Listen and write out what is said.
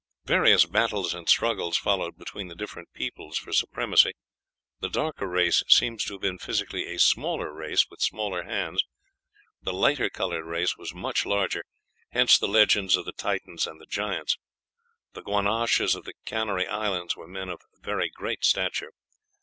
Various battles and struggles followed between the different peoples for supremacy. The darker race seems to have been, physically, a smaller race, with small hands; the lighter colored race was much larger hence the legends of the Titans and Giants. The Guanches of the Canary Islands were men of very great stature.